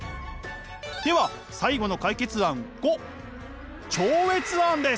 では最後の解決案⑤超越案です！